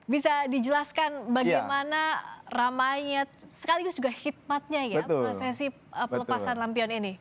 bisa dijelaskan bagaimana ramainya sekaligus juga hikmatnya ya prosesi pelepasan lampion ini